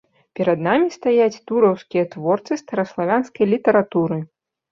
Перад намі стаяць тураўскія творцы стараславянскай літаратуры.